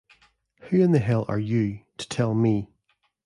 Who in the hell are "you" to tell me...?